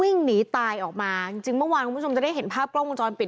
วิ่งหนีตายออกมาจริงจริงเมื่อวานคุณผู้ชมจะได้เห็นภาพกล้องวงจรปิด